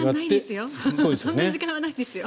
そんな時間はないですよ。